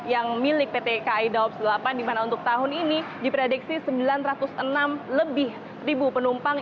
yang milik pt ki daops delapan di mana untuk tahun ini diprediksi sembilan ratus enam lebih ribu penumpang